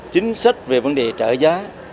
chính sách về vấn đề trợ giá